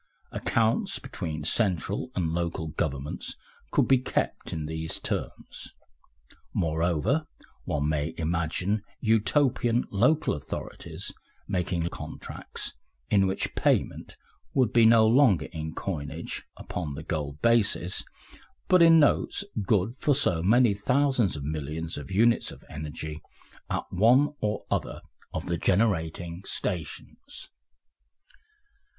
Accounts between central and local governments could be kept in these terms. Moreover, one may imagine Utopian local authorities making contracts in which payment would be no longer in coinage upon the gold basis, but in notes good for so many thousands or millions of units of energy at one or other of the generating stations.